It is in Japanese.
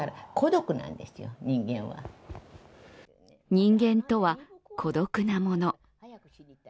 人間とは孤独なもの。